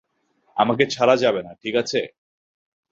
আমাকে ছাড়া যাবে না, ঠিক আছে?